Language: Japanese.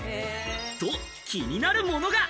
と、気になるものが。